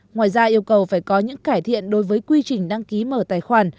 ngoài ra yêu cầu phải có những cải thiện đối với quy trình đăng ký mở tài khoản